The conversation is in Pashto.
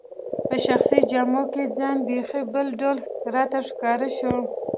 په شخصي جامو کي ځان بیخي بل ډول راته ښکاره شو.